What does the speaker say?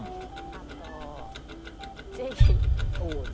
あとおゼリー。